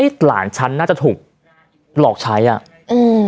หลานฉันน่าจะถูกหลอกใช้อ่ะอืม